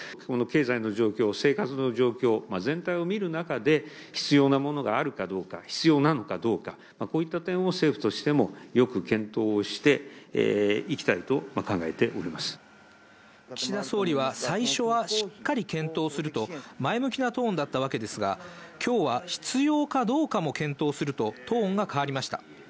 この経済の状況、生活の状況、全体を見る中で、必要なものがあるかどうか、必要なのかどうか、こういった点を政府としてもよく検討をしていきたいと考えており岸田総理は、最初はしっかり検討すると、前向きなトーンだったわけですが、きょうは必要かどうかも検討すると、トーンが変わりました。